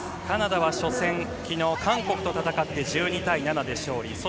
カナダは初戦、昨日韓国と戦って１２対７で勝利。